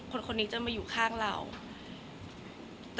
แต่ขวัญไม่สามารถสวมเขาให้แม่ขวัญได้